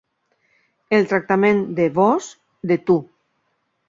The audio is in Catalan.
El tractament de vós, de tu.